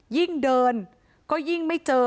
ยิ่งเดินก็ยิ่งไม่เจอ